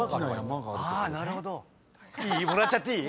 いい？もらっちゃっていい？